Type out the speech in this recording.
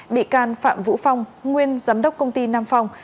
bị can phạm vũ phong nguyên giám đốc công ty nam phong